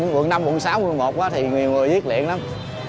quận năm quận sáu quận một thì người viết liền lắm